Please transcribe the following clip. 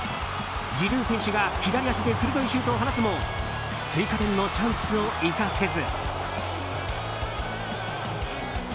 ジルー選手が左足で鋭いシュートを放つも追加点のチャンスを生かせず。